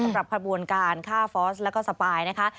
สำหรับขบวนการฆ่าฟอร์สแล้วก็สปายนะคะ